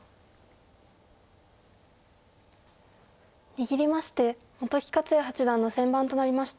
握りまして本木克弥八段の先番となりました。